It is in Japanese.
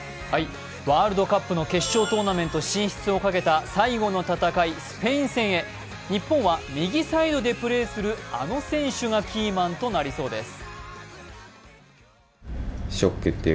ワールドカップの決勝トーナメント進出をかけた最後の戦い、スペイン戦へ、日本は右サイドでプレーするあの選手がキーマンとなりそうです。